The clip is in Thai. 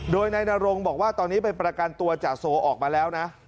โดยนายนรงบอกว่าตอนนี้ไปประกันตัวจ่าโซออกมาแล้วนะ